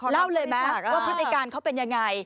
เล่าเลยแบบว่าพฤติการเขาเป็นอย่างไร